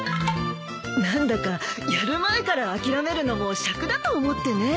何だかやる前から諦めるのもしゃくだと思ってね。